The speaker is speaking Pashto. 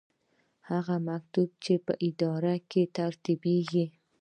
هغه مکتوب چې په اداره کې ترتیبیږي.